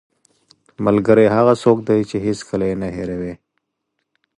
ملګری هغه څوک دی چې هېڅکله یې نه هېروې